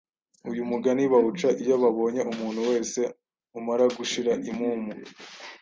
Uyu mugani bawuca iyo babonye umuntu wese umara gushira impumu